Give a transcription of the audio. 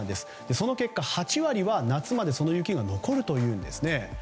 その結果８割はその雪は夏まで残るというんですね。